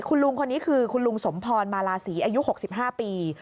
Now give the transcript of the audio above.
คุณลุงคนนี้คือคุณลุงสมพรมาลาศรีอายุ๖๕ปี